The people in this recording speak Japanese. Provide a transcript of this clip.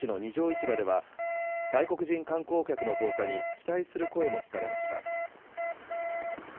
市場では、外国人観光客の増加に期待する声も聞かれました。